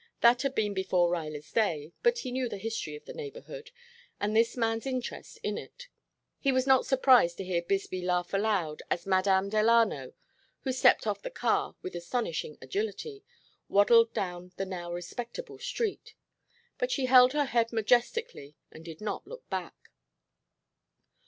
That had been before Ruyler's day, but he knew the history of the neighborhood, and this man's interest in it. He was not surprised to hear Bisbee laugh aloud as Madame Delano, who stepped off the car with astonishing agility, waddled down the now respectable street. But she held her head majestically and did not look back.